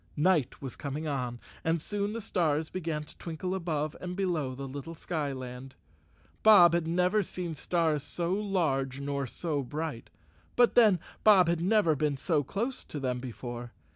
Night was coming on, and soon the stars began to twinkle above and below the little skyland. Bob had never seen stars so large nor so bright, but then Bob had never been so close to them before.